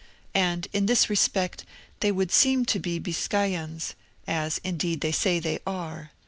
And, in this respect, they would seem to be Biscayans, as, indeed, they say they are.